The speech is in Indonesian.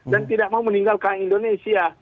dan tidak mau meninggalkan indonesia